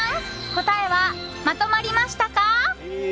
答えはまとまりましたか？